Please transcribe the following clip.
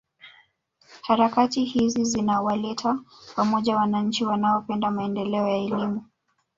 Harakati hizi zinawaleta pamoja wananchi wanaopenda maendeleo ya elimu